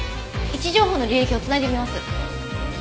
位置情報の履歴を繋いでみます。